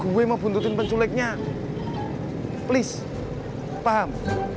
gue mau buntutin penculiknya please paham